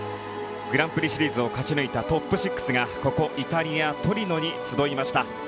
グランプリシリーズを勝ち抜いたトップ６がここイタリア・トリノに集いました。